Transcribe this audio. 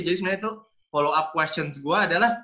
jadi sebenarnya tuh follow up questions gue adalah